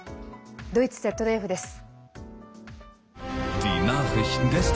ドイツＺＤＦです。